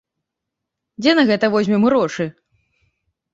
Дзе на гэта возьмем грошы?